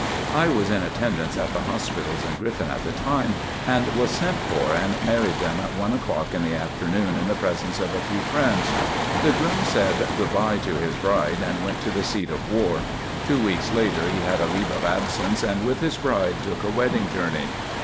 I was in attendance at the hospitals in Griffin at the time and was sent for and married them at one o'clock in the afternoon in the presence of a few friends. The groom said "good by" to his bride and went to the seat of war. Two weeks later he had a leave of absence and with his bride took a wedding journey.